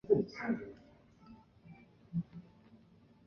祝女的琉球神道教女祭司。